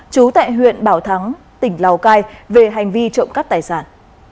trú tại huyện bảo thắng tỉnh lào cai về hành vi trộm cắp tài sản